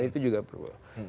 itu juga perlu